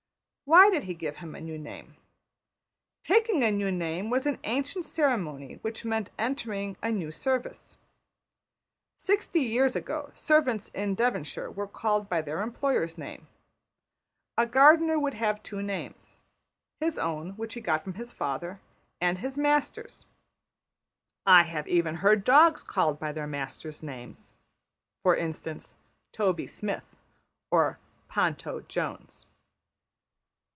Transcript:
Why did he give him a new name? Taking a new name was an ancient ceremony which meant entering a new service. Sixty years ago servants in Devonshire were called by their employer's name. A gardener would have two names his own, which he got from his father, and his master's. I have even heard dogs called by their master's names, for instance, Toby Smith, or Ponto Jones.